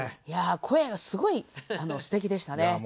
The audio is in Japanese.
声がすごいすてきでしたね。